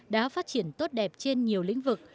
đã phát triển tốt đẹp trên nhiều lĩnh vực